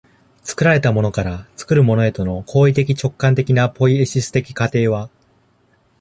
作られたものから作るものへとの行為的直観的なポイエシス的過程は